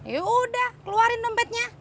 yaudah keluarin dompetnya